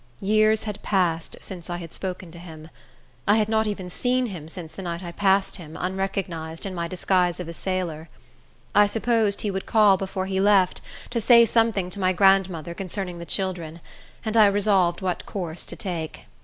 Years had passed since I had spoken to him. I had not even seen him since the night I passed him, unrecognized, in my disguise of a sailor. I supposed he would call before he left, to say something to my grandmother concerning the children, and I resolved what course to take.